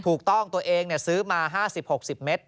ถูกต้องตัวเองเนี่ยซื้อมา๕๐๖๐เมตร